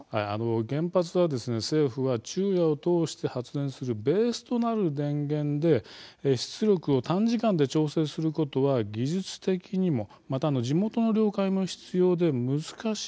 原発は、政府は昼夜を通して発電するベースとなる電源で出力を短時間で調整することは技術的にもまた地元の了解も必要で難しいと。